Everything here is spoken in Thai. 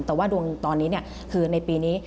แต่ว่าดวงตอนนี้คือในปีนี้